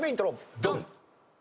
ドン！